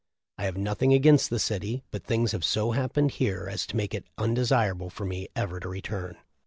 I have nothing against the city, but things have so hap pened here as to make it undesirable for me ever to return.'